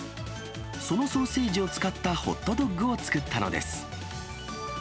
そのソーセージを使ったホットドッグを作ったのです。